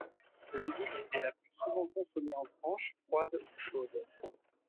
L'andouille est le plus souvent consommée en tranches, froide ou chaude.